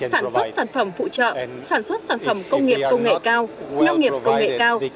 sản xuất sản phẩm phụ trợ sản xuất sản phẩm công nghiệp công nghệ cao nông nghiệp công nghệ cao